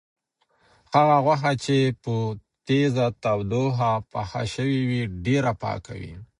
هغه غوښه چې په تیزه تودوخه پخه شوې وي، ډېره پاکه وي.